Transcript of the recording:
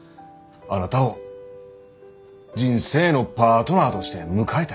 あなたを人生のパートナーとして迎えたい。